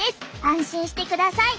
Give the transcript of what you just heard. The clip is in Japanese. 安心してください。